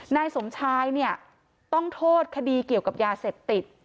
นายสมชายเนี่ยต้องโทษคดีเกี่ยวกับยาเสพติด